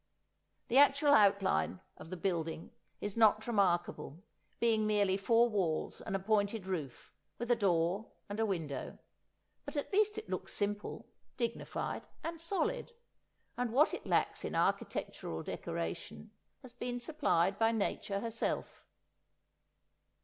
The actual outline of the building is not remarkable, being merely four walls and a pointed roof, with a door and a window; but at least it looks simple, dignified, and solid, and what it lacks in architectural decoration has been supplied by Nature herself.